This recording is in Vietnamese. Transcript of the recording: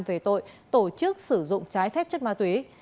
về tội tổ chức sử dụng trái phép chất ma túy